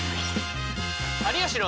「有吉の」。